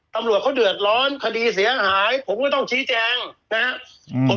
ตำรวจเขาเดือดร้อนคดีเสียหายผมก็ต้องชี้แจงนะครับ